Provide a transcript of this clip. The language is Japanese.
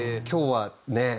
今日はね